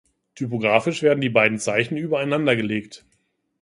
Typografisch werden die beiden Zeichen übereinandergelegt.